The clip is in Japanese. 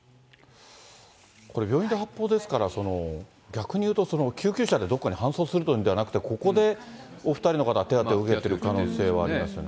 これ、病院で発砲ですから、逆に言うと、救急車でどこかに搬送するということじゃなくて、ここでお２人の方、手当てを受けている可能性はありますよね。